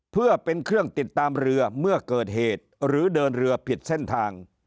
เพื่อเป็นเครื่องติดตามเรือเมื่อเกิดเหตุหรือเดินเรือผิดเส้นทาง